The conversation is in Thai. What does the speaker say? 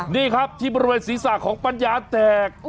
นี่ครับที่บริเวณศีรษะของปัญญาแตก